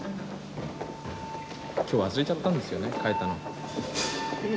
今日忘れちゃったんですよね書いたの。